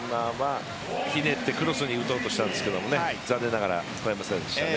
ひねってクロスに打とうとしたんですけど残念ながら越えませんでした。